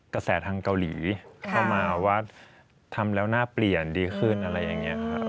กระแสทางเกาหลีเข้ามาว่าทำแล้วน่าเปลี่ยนดีขึ้นอะไรอย่างนี้ครับ